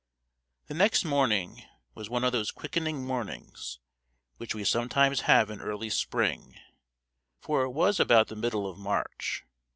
The next morning was one of those quickening mornings which we sometimes have in early spring, for it was about the middle of March.